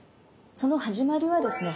その始まりはですね